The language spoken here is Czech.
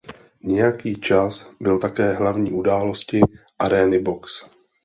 Nějaký čas byl také hlavní události arény box.